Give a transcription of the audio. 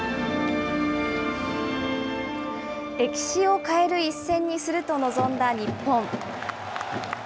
歴史を変える一戦にすると臨んだ日本。